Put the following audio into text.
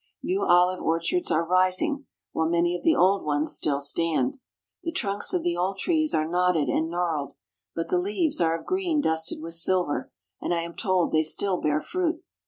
New olive orchards are rising, while many of the old ones still stand. The trunks of the old trees are knotted and gnarled, but the leaves are of green dusted with silver, and I am told they still bear fruit.